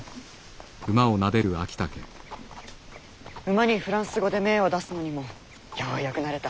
馬にフランス語で命を出すのにもようやく慣れた。